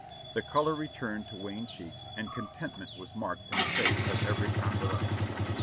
The color returned to wan cheeks and contentment was marked in the face of every convalescent.